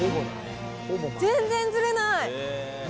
全然ずれない。